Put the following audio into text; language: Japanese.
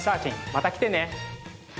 また来てね